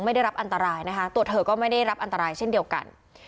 ได้รับอันตรายนะคะตัวเธอก็ไม่ได้รับอันตรายเช่นเดียวกัน